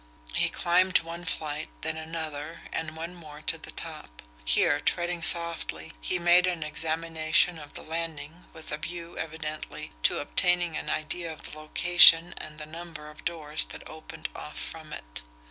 He climbed one flight, then another and one more to the top. Here, treading softly, he made an examination of the landing with a view, evidently, to obtaining an idea of the location and the number of doors that opened off from it.